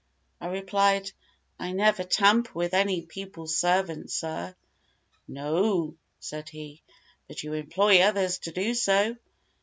I replied, "I never tamper with any people's servants, sir." "No," said he, "but you employ others so to do.